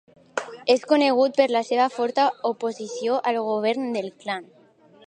És conegut per la seva forta oposició al govern del clan.